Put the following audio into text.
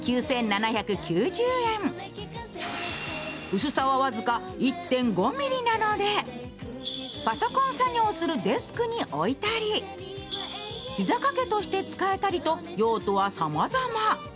薄さは僅か１．５ｍｍなのでパソコン作業をするデスクに置いたり膝かけとして使えたりと用途はさまざま。